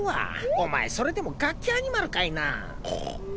お前それでもガッキアニマルかいな？